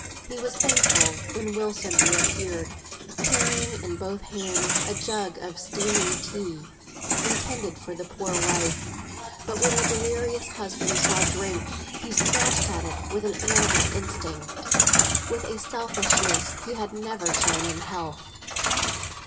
He was thankful when Wilson re appeared, carrying in both hands a jug of steaming tea, intended for the poor wife; but when the delirious husband saw drink, he snatched at it with animal instinct, with a selfishness he had never shown in health.